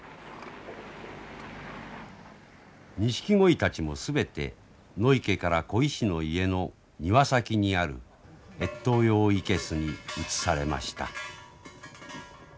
ニシキゴイたちも全て野池から鯉師の家の庭先にある越冬用生けすに移されました。